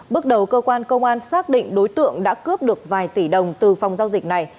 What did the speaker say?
bước đầu cơ quan công an xác định đối tượng đã cướp được vài tỷ đồng từ phòng giao dịch này